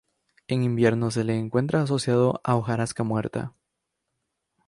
En invierno se le encuentra asociado a hojarasca muerta.